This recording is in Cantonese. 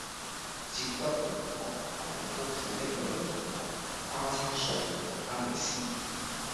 接骨木果含有豐富的類黃酮、花青素和維他命 C